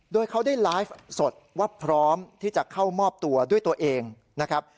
โดยเขาได้ไลฟ์สดว่าพร้อมที่จะเข้ามอบตัวด้วยตัวเองนะครับ